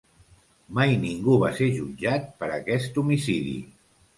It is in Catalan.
Mai ningú va ser jutjat per aquest homicidi.